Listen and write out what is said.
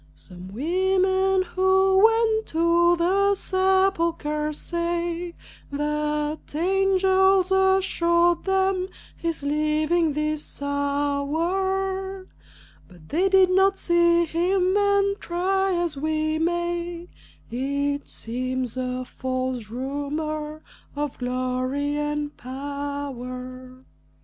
"Some women who went to the sepulcher say That angels assured them he's living this hour, But they did not see him, and try as we may, It seems a false rumor of glory and power."